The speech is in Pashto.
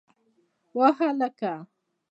وه هلکه!